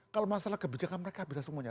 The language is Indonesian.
kalau masalah kebijakan mereka bisa semuanya